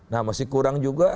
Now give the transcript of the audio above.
nah masih kurang juga